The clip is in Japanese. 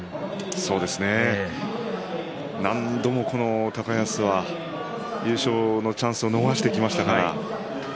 何度も高安は優勝のチャンスを逃してきましたからね。